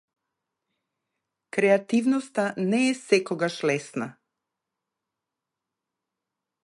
Креативноста не е секогаш лесна.